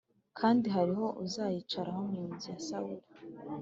Kandi hariho uzayicaraho mu nzu ya sawuli